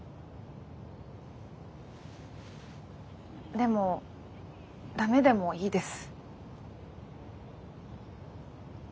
でもダメでもいいです。